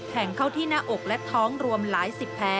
เข้าที่หน้าอกและท้องรวมหลายสิบแพ้